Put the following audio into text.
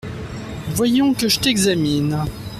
Voyons, que je t’examine…